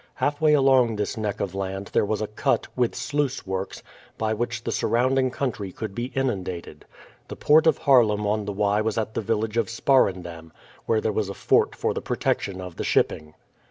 Halfway along this neck of land there was a cut, with sluice works, by which the surrounding country could be inundated. The port of Haarlem on the Y was at the village of Sparendam, where there was a fort for the protection of the shipping.